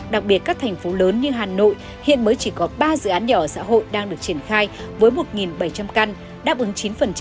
đặc biệt các thành phố lớn như hà nội hiện mới chỉ có ba dự án nhà ở xã hội đang được triển khai với một bảy trăm linh căn đáp ứng chín